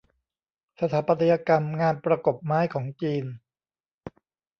สถาปัตยกรรมงานประกบไม้ของจีน